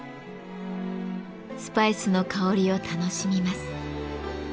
スパイスの香りを楽しみます。